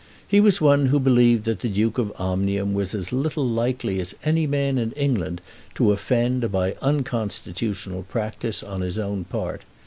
He was one who believed that the Duke of Omnium was as little likely as any man in England to offend by unconstitutional practice on his own part.